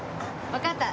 わかった。